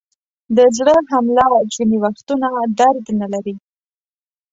د زړه حمله ځینې وختونه درد نلري.